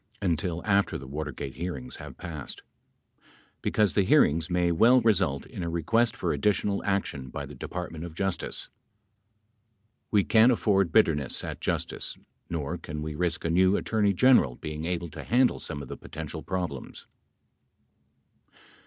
until after the Water gate hearings have passed), because the hearings may well result in a request for additional action by the Department of Justice. We can't afford bitterness at Justice nor can we risk a new Attorney General being able to handle some of the potential problems.